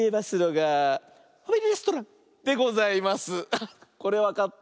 あっこれわかった？